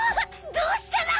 どうしたら。